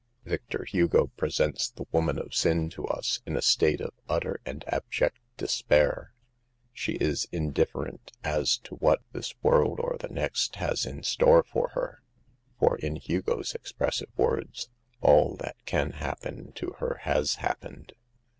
Victor Hugo presents the woman of sin to us in a state of utter and abject despair. She is indifferent as to what this world or the next has in store for her ; for, in Hugo's expressive words, "All that can happen to her has happened."